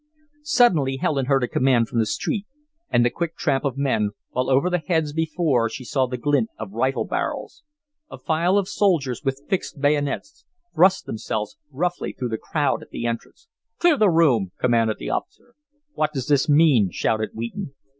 Suddenly Helen heard a command from the street and the quick tramp of men, while over the heads before her she saw the glint of rifle barrels. A file of soldiers with fixed bayonets thrust themselves roughly through the crowd at the entrance. "Clear the room!" commanded the officer. "What does this mean?" shouted Wheaton.